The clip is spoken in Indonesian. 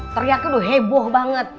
teriaknya lo heboh banget